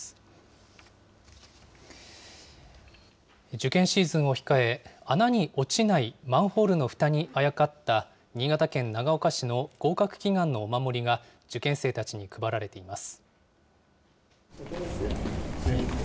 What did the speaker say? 受験シーズンを控え、穴に落ちないマンホールのふたにあやかった新潟県長岡市の合格祈願のお守りが、受験生たちに配られています。